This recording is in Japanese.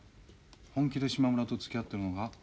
本気で島村とつきあってるのか？